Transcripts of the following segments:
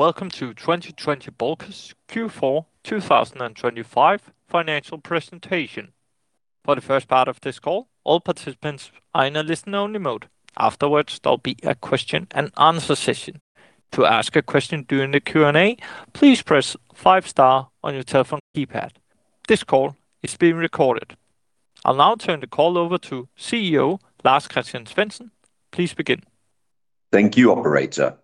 Welcome to 2020 Bulkers Q4 2025 financial presentation. For the first part of this call, all participants are in a listen-only mode. Afterwards there'll be a question-and-answer session. To ask a question during the Q&A, please press five star on your telephone keypad. This call is being recorded. I'll now turn the call over to CEO Lars-Christian Svensen. Please begin. Thank you, Operator.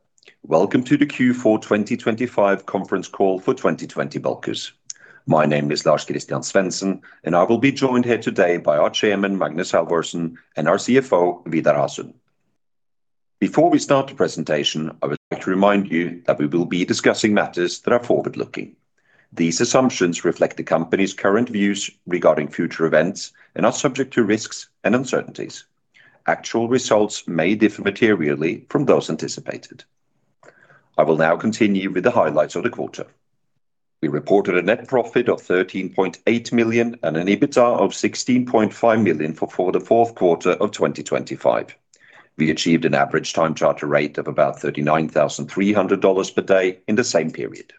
Welcome to the Q4 2025 conference call for 2020 Bulkers. My name is Lars-Christian Svensen, and I will be joined here today by our Chairman Magnus Halvorsen and our CFO Vidar Hasund. Before we start the presentation, I would like to remind you that we will be discussing matters that are forward-looking. These assumptions reflect the company's current views regarding future events and are subject to risks and uncertainties. Actual results may differ materially from those anticipated. I will now continue with the highlights of the quarter. We reported a net profit of $13.8 million and an EBITDA of $16.5 million for the fourth quarter of 2025. We achieved an average time-charter rate of about $39,300 per day in the same period.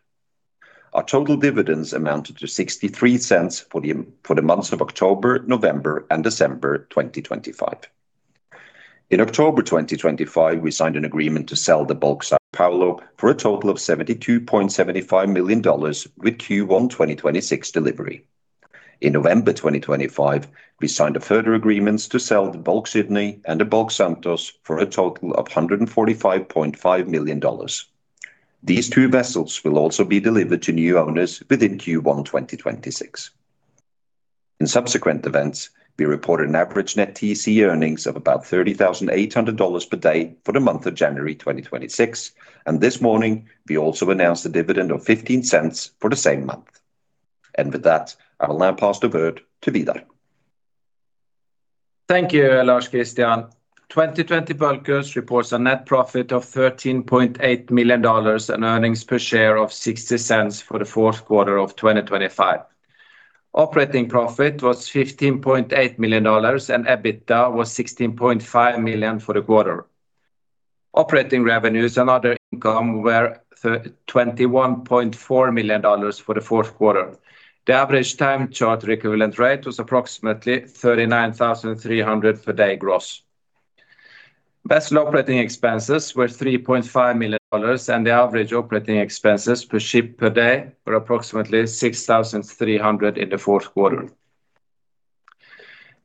Our total dividends amounted to $0.63 for the months of October, November, and December 2025. In October 2025, we signed an agreement to sell the Bulk Sao Paulo for a total of $72.75 million with Q1 2026 delivery. In November 2025, we signed further agreements to sell the Bulk Sydney and the Bulk Santos for a total of $145.5 million. These two vessels will also be delivered to new owners within Q1 2026. In subsequent events, we report an average net TC earnings of about $30,800 per day for the month of January 2026, and this morning we also announced a dividend of $0.15 for the same month. With that, I will now pass the word to Vidar. Thank you, Lars-Christian. 2020 Bulkers reports a net profit of $13.8 million and earnings per share of $0.60 for the fourth quarter of 2025. Operating profit was $15.8 million and EBITDA was $16.5 million for the quarter. Operating revenues and other income were $21.4 million for the fourth quarter. The average time charter equivalent rate was approximately $39,300 per day gross. Vessel operating expenses were $3.5 million and the average operating expenses per ship per day were approximately $6,300 in the fourth quarter.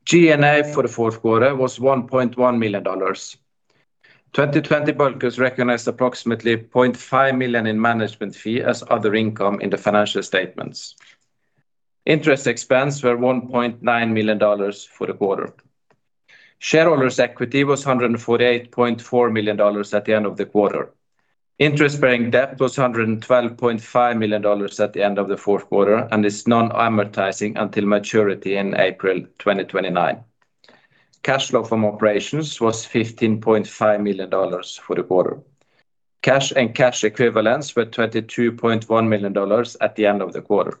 G&A for the fourth quarter was $1.1 million. 2020 Bulkers recognized approximately $0.5 million in management fee as other income in the financial statements. Interest expense were $1.9 million for the quarter. Shareholders' equity was $148.4 million at the end of the quarter. Interest-bearing debt was $112.5 million at the end of the fourth quarter and is non-amortizing until maturity in April 2029. Cash flow from operations was $15.5 million for the quarter. Cash and cash equivalents were $22.1 million at the end of the quarter.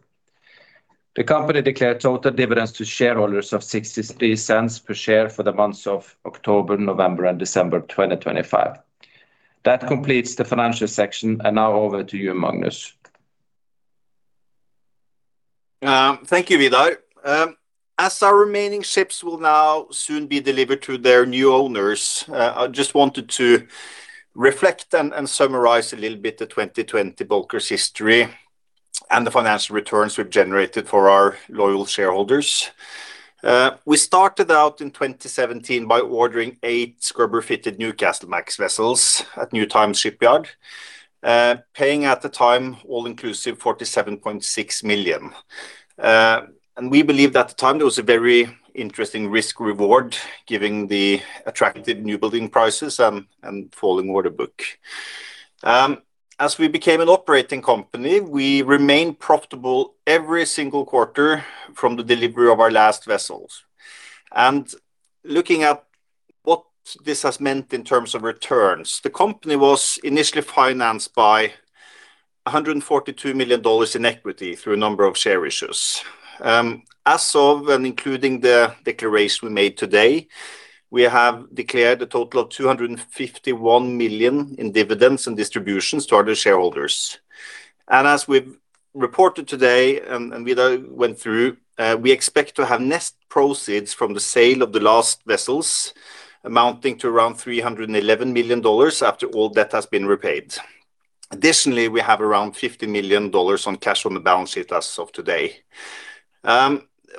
The company declared total dividends to shareholders of $0.63 per share for the months of October, November, and December 2025. That completes the financial section, and now over to you, Magnus. Thank you, Vidar. As our remaining ships will now soon be delivered to their new owners, I just wanted to reflect and summarize a little bit the 2020 Bulkers history and the financial returns we've generated for our loyal shareholders. We started out in 2017 by ordering eight scrubber-fitted Newcastlemax vessels at New Times Shipyard, paying at the time all-inclusive $47.6 million. We believed at the time there was a very interesting risk-reward given the attractive new building prices and falling order book. As we became an operating company, we remained profitable every single quarter from the delivery of our last vessels. Looking at what this has meant in terms of returns, the company was initially financed by $142 million in equity through a number of share issues. As of and including the declaration we made today, we have declared a total of $251 million in dividends and distributions to other shareholders. As we've reported today and Vidar went through, we expect to have net proceeds from the sale of the last vessels amounting to around $311 million after all debt has been repaid. Additionally, we have around $50 million in cash on the balance sheet as of today.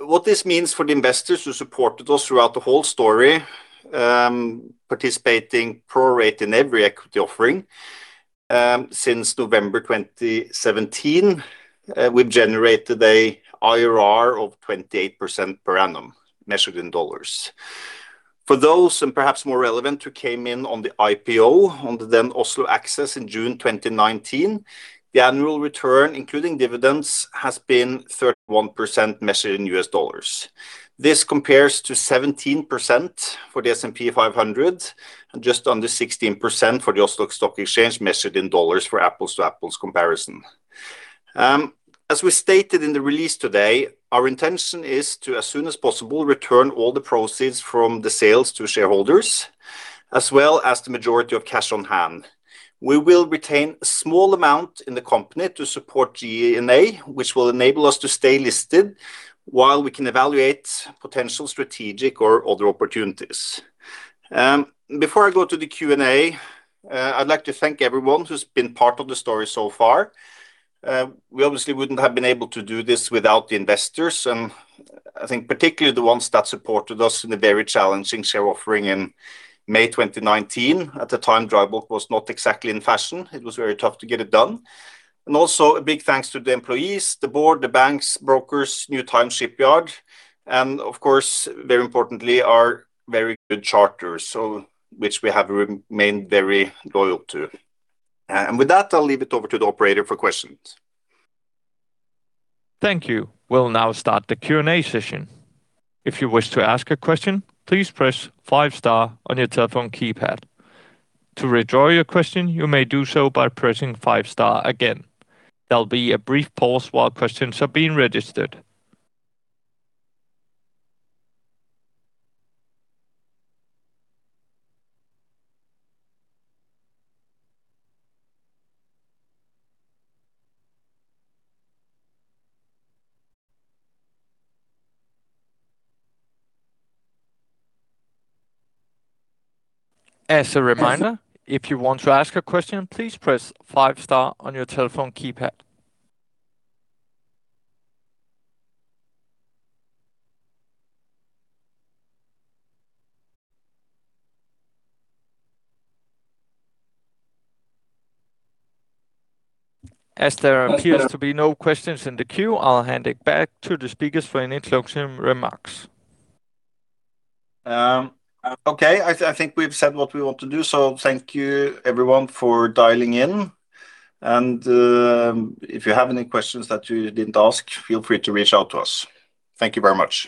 What this means for the investors who supported us throughout the whole story, participating pro rata in every equity offering since November 2017, we've generated an IRR of 28% per annum measured in dollars. For those and perhaps more relevant who came in on the IPO on the then Oslo Axess in June 2019, the annual return including dividends has been 31% measured in US dollars. This compares to 17% for the S&P 500 and just under 16% for the Oslo Stock Exchange measured in dollars for apples-to-apples comparison. As we stated in the release today, our intention is to, as soon as possible, return all the proceeds from the sales to shareholders as well as the majority of cash on hand. We will retain a small amount in the company to support G&A, which will enable us to stay listed while we can evaluate potential strategic or other opportunities. Before I go to the Q&A, I'd like to thank everyone who's been part of the story so far. We obviously wouldn't have been able to do this without the investors, and I think particularly the ones that supported us in the very challenging share offering in May 2019. At the time, dry bulk was not exactly in fashion. It was very tough to get it done. Also a big thanks to the employees, the board, the banks, brokers, New Times Shipyard, and of course, very importantly, our very good charterers, which we have remained very loyal to. With that, I'll leave it over to the operator for questions. Thank you. We'll now start the Q&A session. If you wish to ask a question, please press five star on your telephone keypad. To withdraw your question, you may do so by pressing five star again. There'll be a brief pause while questions are being registered. As a reminder, if you want to ask a question, please press five star on your telephone keypad. As there appears to be no questions in the queue, I'll hand it back to the speakers for any closing remarks. Okay. I think we've said what we want to do. So thank you, everyone, for dialing in. And if you have any questions that you didn't ask, feel free to reach out to us. Thank you very much.